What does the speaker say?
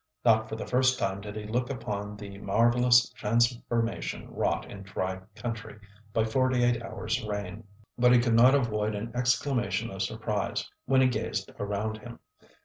Not for the first time did he look upon the marvellous transformation wrought in "dry country" by forty eight hours' rain. But he could not avoid an exclamation of surprise when he gazed around him.